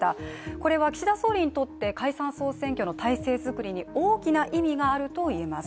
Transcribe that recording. これは岸田総理にとって解散総選挙の体制作りについて、大きな意味があるといえます。